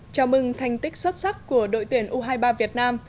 chào mừng thành tích xuất sắc của đội tuyển u hai mươi ba việt nam